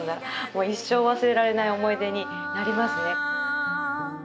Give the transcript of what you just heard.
もう一生忘れられない思い出になりますね。